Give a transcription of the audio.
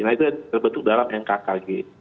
nah itu terbentuk dalam nkkg